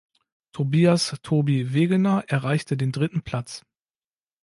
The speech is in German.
Tobias „Tobi“ Wegener erreichte den dritten Platz.